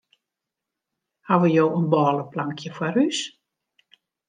Hawwe jo in bôleplankje foar ús?